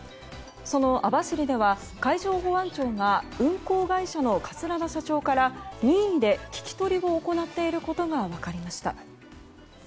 その網走では海上保安庁が運航会社の桂田社長から任意で聞き取りを行っていることが分かりました。